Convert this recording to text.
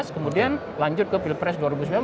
kemudian lanjut ke pilpres dua ribu sembilan belas